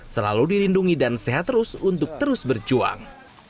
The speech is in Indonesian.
selalu dilindungi dan sehat terus untuk terus berjuang